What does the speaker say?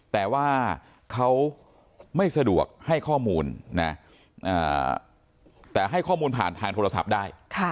แต่ว่าเขาไม่สะดวกให้ข้อมูลนะแต่ให้ข้อมูลผ่านทางโทรศัพท์ได้